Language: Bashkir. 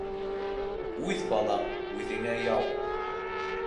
Үҙ балаң - үҙеңә яу!